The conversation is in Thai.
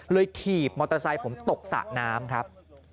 ถีบมอเตอร์ไซค์ผมตกสระน้ำครับ